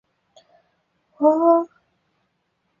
江苏省常州府武进县人。